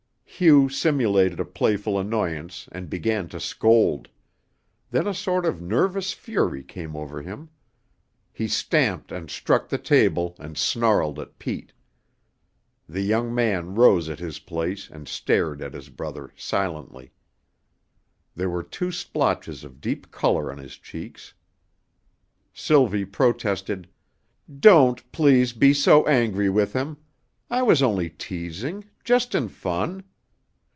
Hugh simulated a playful annoyance and began to scold; then a sort of nervous fury came over him. He stamped and struck the table and snarled at Pete. The young man rose at his place and stared at his brother silently. There were two splotches of deep color on his cheeks. Sylvie protested: "Don't, please, be so angry with him. I was only teasing, just in fun.